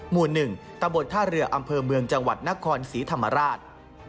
หมู่๑ตะบนท่าเรืออำเภอเมืองจังหวัดนครศรีธรรมราช